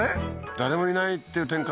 誰もいないっていう展開？